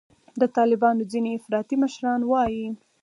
د طالبانو ځیني افراطي مشران وایي